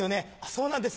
「そうなんです」。